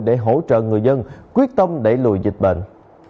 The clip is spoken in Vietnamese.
để hỗ trợ người dân quyết tâm đẩy lùi dịch bệnh